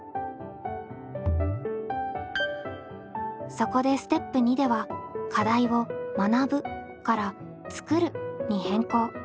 そこでステップ２では課題を「学ぶ」から「作る」に変更。